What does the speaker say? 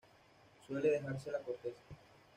Suele dejarse la corteza.